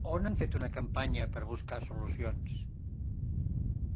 On han fet una campanya per buscar solucions?